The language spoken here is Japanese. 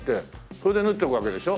それで縫ってくわけでしょ？